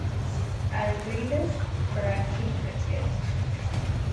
I’ll read it: for I keep it yet.